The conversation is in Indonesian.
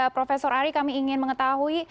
prof ari kami ingin mengetahui